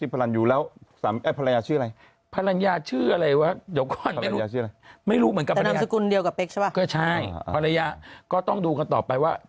พลันยูพารันล่ะภรรยาชื่ออะไรวะไม่รู้เหมือนกับเราแล้วก็ใช่ก็ต้องดูกันต่อไปว่า